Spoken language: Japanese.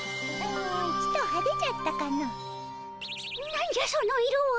何じゃその色は。